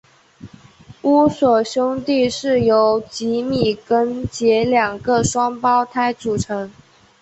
乌索兄弟是由吉米跟杰两个双胞胎组成。